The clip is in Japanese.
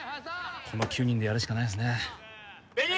この９人でやるしかないですねベニ！